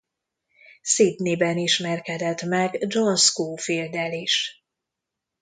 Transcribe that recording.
Sydneyben ismerkedett meg John Scofield-el is.